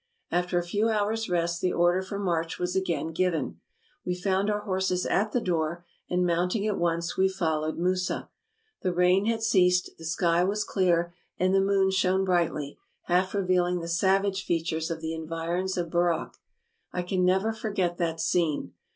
After a few hours' rest the order for march was again given. We found our horses at the door, and mounting at once, we followed Musa. The rain had ceased, the sky was clear, and the moon shone brightly, half revealing the sav age features of the environs of Burak. I can never forget that scene.